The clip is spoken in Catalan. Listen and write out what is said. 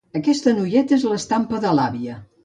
Aquesta noieta és l'estampa de l'àvia.